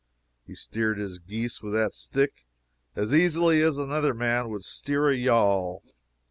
He steered his geese with that stick as easily as another man would steer a yawl.